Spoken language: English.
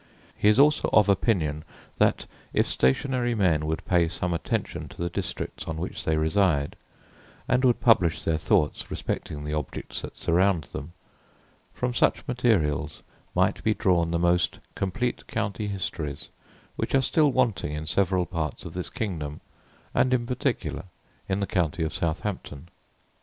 He is also of opinion that if stationary men would pay some attention to the districts on which they reside, and would publish their thoughts respecting the objects that surround them, from such materials might be drawn the most complete county histories, which are still wanting in several parts of this kingdom, and in particular in the county of Southampton.